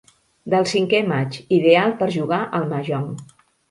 Del cinquè maig, ideal per jugar al mahjong.